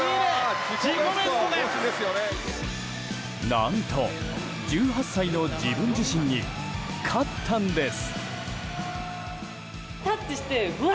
何と１８歳の自分自身に勝ったんです！